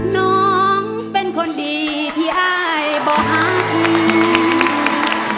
น้องเป็นคนดีที่อายบ่หากิน